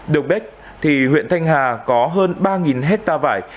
được biết thì huyện thanh hà có hơn ba hectare vải